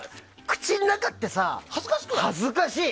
口の中ってさ、恥ずかしい！